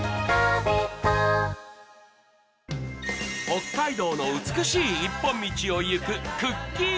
北海道の美しい一本道を行くくっきー！